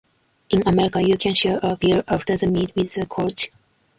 In America, you can share a beer after the meet with the coach.